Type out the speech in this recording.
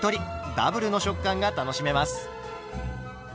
ダブルの食感が楽しめます。